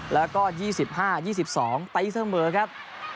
๒๕๒๓แล้วก็๒๕๒๒ตะอีกเส้นเมืองครับ